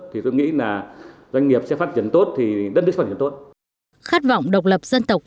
thì tôi nghĩ là doanh nghiệp sẽ phát triển tốt thì đất nước sẽ phát triển tốt